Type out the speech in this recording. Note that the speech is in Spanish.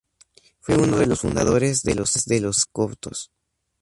Fue uno de los fundadores de los Celtas Cortos.